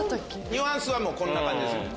ニュアンスはこんな感じですね。